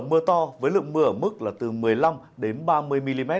mưa to với lượng mưa ở mức là từ một mươi năm đến ba mươi mm